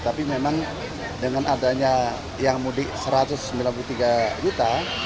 tapi memang dengan adanya yang mudik satu ratus sembilan puluh tiga juta